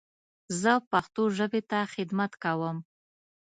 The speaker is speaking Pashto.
زه پښتو ژبې ته خدمت کوم.